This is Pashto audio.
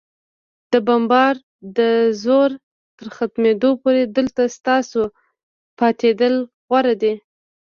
د بمبار د زور تر ختمېدو پورې، دلته ستاسو پاتېدل غوره دي.